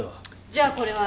じゃあこれは？